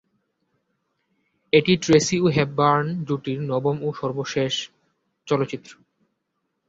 এটি ট্রেসি ও হেপবার্ন জুটির নবম ও সর্বশেষ চলচ্চিত্র।